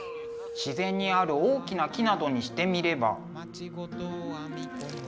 自然にある大きな木などにしてみれば。